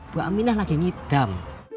bu aminah lagi ngidam